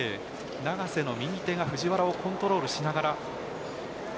永瀬が右手をコントロールしながら。